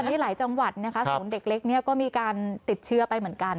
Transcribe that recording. ตอนนี้หลายจังหวัดสมมุติเด็กเล็กก็มีการติดเชื่อไปเหมือนกัน